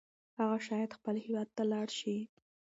هغه شاید خپل هیواد ته لاړ شي.